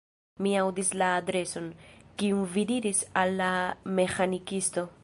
Mi aŭdis la adreson, kiun vi diris al la meĥanikisto.